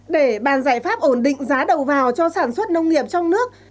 để bàn giải pháp ổn định giá đầu vào cho sản xuất nông nghiệp trong nước